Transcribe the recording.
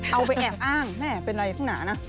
เอาไปแอบอ้างแหมเป็นไรข้างหน้านะ